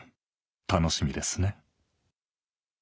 楽しみですね。